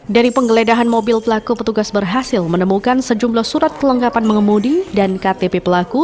dari penggeledahan mobil pelaku petugas berhasil menemukan sejumlah surat kelengkapan mengemudi dan ktp pelaku